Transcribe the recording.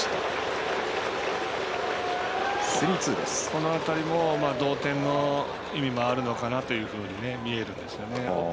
この辺りも同点の意味もあるのかなというふうに見えるんですよね。